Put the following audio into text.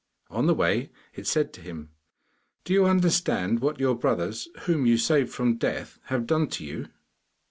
On the way it said to him, 'Do you understand what your brothers, whom you saved from death, have done to you?